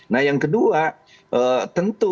nah yang kedua tentu